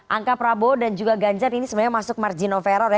angka prabowo dan juga ganjar ini sebenarnya masuk margin of error ya